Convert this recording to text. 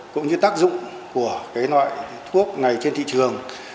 cũng như tác dụng của loại thuốc này trên thị trường